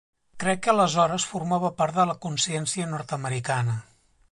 Crec que aleshores formava part de la consciència nord-americana.